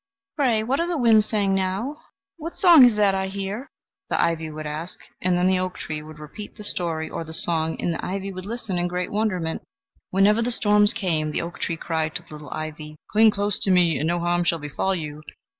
"Pray, what are the winds saying now?" or "What song is that I hear?" the ivy would ask; and then the oak tree would repeat the story or the song, and the ivy would listen in great wonderment. Whenever the storms came, the oak tree cried to the little ivy: "Cling close to me, and no harm shall befall you!